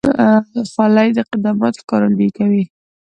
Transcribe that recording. خولۍ د قدامت ښکارندویي کوي.